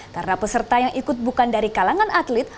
karena peserta yang ikut bukan dari kalangan atlet